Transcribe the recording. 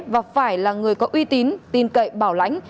và phải là người có uy tín tin cậy bảo lãnh